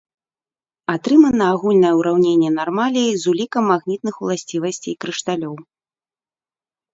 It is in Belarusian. Атрымана агульнае ўраўненне нармалей з улікам магнітных уласцівасцей крышталёў.